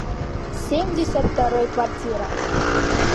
Семьдесят торой квартира.